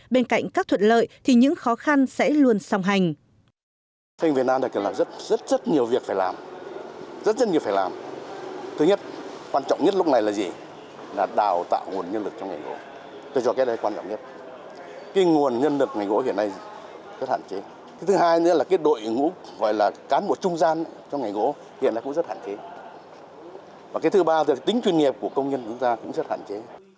bên cạnh các thuật lợi thì những khó khăn sẽ luôn song hành